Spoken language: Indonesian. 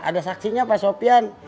ada saksinya pak sopyan